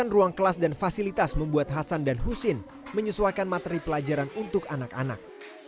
ruang kelas dan fasilitas membuat hasan dan husin menyesuaikan materi pelajaran untuk anak anak